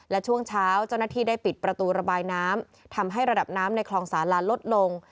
และช่วงเช้าเจ้าหน้าที่ได้ปิดประตูระบายน้ำทำให้ระดับน้ำในคลองสาลาลดลง